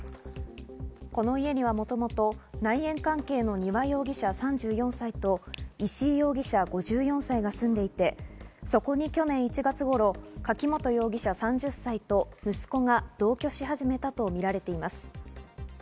この家にはもともと内縁関係の丹羽容疑者３４歳と石井容疑者５４歳が住んでいて、そこに去年１月頃、柿本容疑者、３０歳と息子が同居し始めたとみられています。